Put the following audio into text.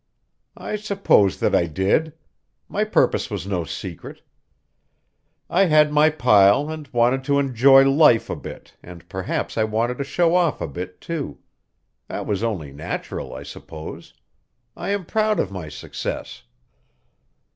"I suppose that I did. My purpose was no secret. I had my pile and wanted to enjoy life a bit and perhaps I wanted to show off a bit, too. That was only natural, I suppose. I am proud of my success."